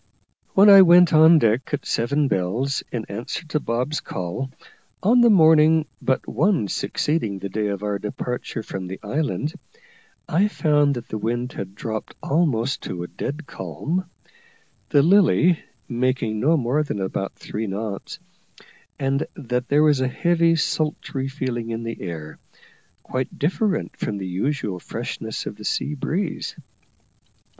When I went on deck at seven bells, in answer to Bob's call, on the morning but one succeeding the day of our departure from the island, I found that the wind had dropped almost to a dead calm, the Lily making no more than about three knots, and that there was a heavy sultry feeling in the air, quite different from the usual freshness of the sea breeze.